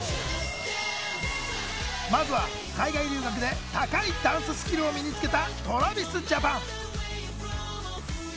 まずは海外留学で高いダンススキルを身につけたＴｒａｖｉｓＪａｐａｎ！